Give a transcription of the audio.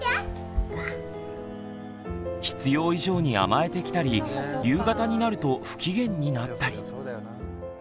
必要以上に甘えてきたり夕方になると不機嫌になったり。